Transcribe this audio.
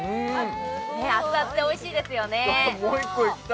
熱々でおいしいですよね。